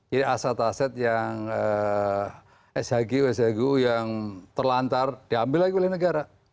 jadi aset aset yang shg shgu yang terlantar diambil lagi oleh negara